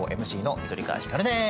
ＭＣの緑川光です。